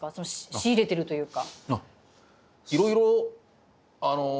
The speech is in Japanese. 仕入れてるというか。